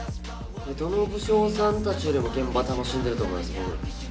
どの武将さんたちよりも、現場を楽しんでると思います。